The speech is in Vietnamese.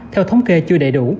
theo thống kê chưa đầy đủ